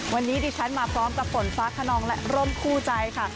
วันนี้ดิฉันมาพร้อมกับฝนฟ้าขนองและร่มคู่ใจค่ะ